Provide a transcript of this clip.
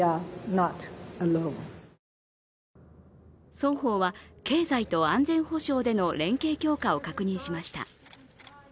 双方は経済と安全保障での連携強化を確認しました。